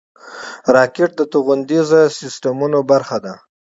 راکټ د توغندیزو سیسټمونو برخه ده